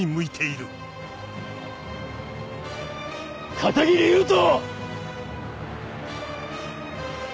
片桐優斗！